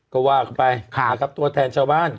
ก็ว่ากันไปนะครับตัวแทนชาวบ้าน